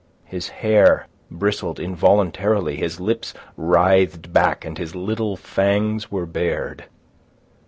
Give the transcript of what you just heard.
His hair bristled involuntarily; his lips writhed back and his little fangs were bared.